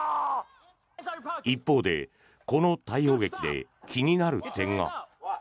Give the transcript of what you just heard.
一方で、この逮捕劇で気になる点が。